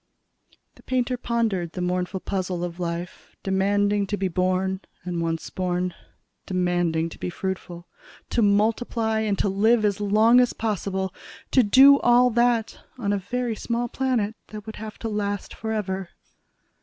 The painter pondered the mournful puzzle of life demanding to be born and, once born, demanding to be fruitful ... to multiply and to live as long as possible to do all that on a very small planet that would have to last forever.